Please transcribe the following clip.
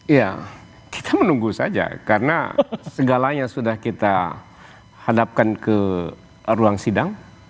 iya kita menunggu saja karena segalanya sudah kita hadapkan ke ruang sidang